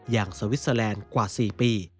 อย่างสวิสเตอร์แลนด์กว่า๔ปี